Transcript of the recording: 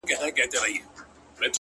د مرگي راتلو ته؛ بې حده زیار باسه؛